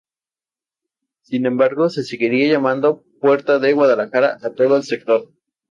Sin embargo, se seguiría llamando "puerta de Guadalajara" a todo el sector.